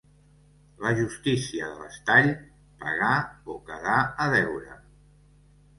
La justícia de l'Estall: pagar o quedar a deure.